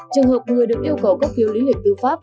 trường hợp người được yêu cầu cấp phiêu lý liệt tư pháp